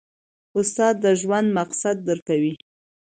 استاد د ژوند مقصد درکوي.